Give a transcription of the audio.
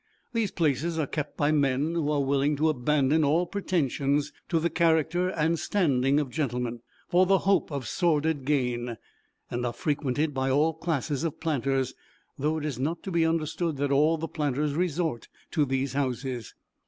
These places are kept by men who are willing to abandon all pretensions to the character and standing of gentlemen, for the hope of sordid gain, and are frequented by all classes of planters, though it is not to be understood that all the planters resort to these houses.